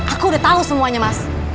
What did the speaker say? aku udah tahu semuanya mas